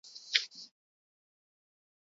Biek hiruna mila euroko saria jaso dute.